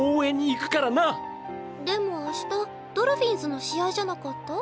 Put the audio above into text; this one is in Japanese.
でもあしたドルフィンズの試合じゃなかった？